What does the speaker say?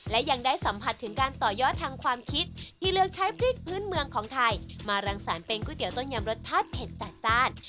และยังได้สัมผัสถึงการต่อยอดทางความคิดที่เลือกใช้พริกพื้นเมืองของไทยมารังสรรค์เป็นก๋วยเตี๋ต้มยำรสชาติเผ็ดจัดจ้าน